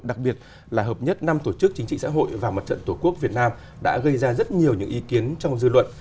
đặc biệt là hợp nhất năm tổ chức chính trị xã hội và mặt trận tổ quốc việt nam đã gây ra rất nhiều những ý kiến trong dư luận